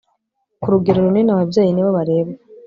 Ku rugero runini ababyeyi ni bo barebwa